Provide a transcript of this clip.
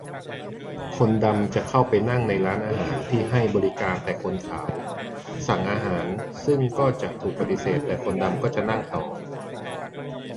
คนดำจะเข้าไปนั่งในร้านอาหารที่ให้บริการแต่คนขาว สั่งอาหาร ซึ่งก็จะถูกปฏิเสธ แต่คนดำก็จะนั่งต่อ